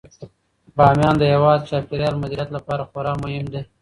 بامیان د هیواد د چاپیریال د مدیریت لپاره خورا مهم دی.